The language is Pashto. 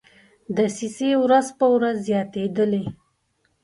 دسیسې ورځ په ورځ زیاتېدلې.